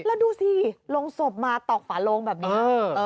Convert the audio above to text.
แล้วดูสิลงศพมาตอกฝาโลงแบบนี้